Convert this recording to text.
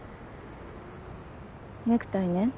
ネクタイね。